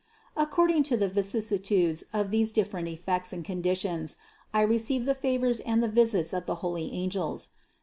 According to the vicissitudes of these different effects and conditions I re ceived the favors and the visits of the holy angels.